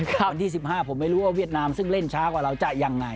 วันที่๑๕ผมไม่รู้ว่าเวียดนามซึ่งเล่นช้ากว่าเราจะยังไง